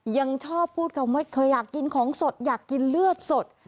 ยังชอบพูดคำว่าเคยอยากกินของสดอยากกินเลือดสด